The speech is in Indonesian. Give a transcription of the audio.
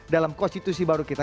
dalam konstitusi baru kita